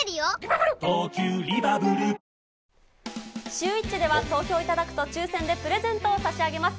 シューＷｈｉｃｈでは、投票いただくと抽せんでプレゼントを差し上げます。